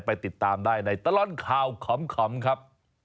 ไปติดตามได้ในตลอดข่าวขำครับ